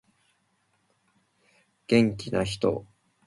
元気な人